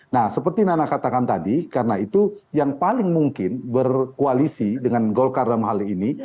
nah seperti nana katakan tadi karena itu yang paling mungkin berkoalisi dengan golkar dalam hal ini